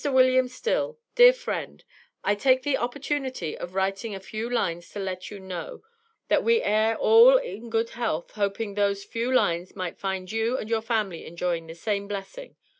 WILLIAM STILL Dear Friend: I take the opertunity of wrighting a few lines to let you no that we air all in good health hoping thos few lines may find you and your family engoying the same blessing.